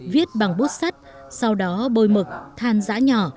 viết bằng bút sắt sau đó bôi mực than giã nhỏ